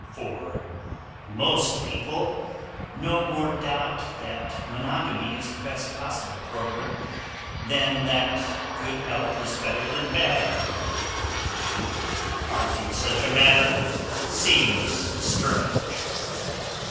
For most people no more doubt that monogamy is the best possible program than that good health is better than bad. To argue such a matter seems strange.